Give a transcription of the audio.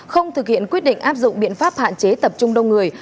không thực hiện quyết định áp dụng biện pháp hạn chế tập trung đông người